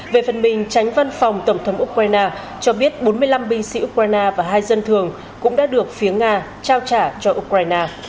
về phần mình tránh văn phòng tổng thống ukraine cho biết bốn mươi năm binh sĩ ukraine và hai dân thường cũng đã được phía nga trao trả cho ukraine